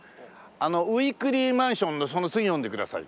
あの「ウィークリーマンション」のその次読んでください。